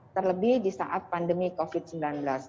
terlebih di saat pandemi covid sembilan belas